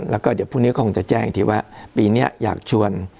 แล้วก็เดี๋ยวพรุ่งนี้คงจะแจ้งอีกทีว่าปีนี้อยากชวน